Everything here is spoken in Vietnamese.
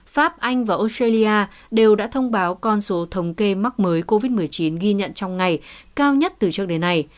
pháp anh và australia đều đã thông báo con số thống kê mắc mới covid một mươi chín ghi nhận trong ngày cao nhất từ trước đến nay